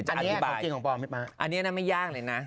จะอธิบายอันนี้นะไม่ยากเลยนะ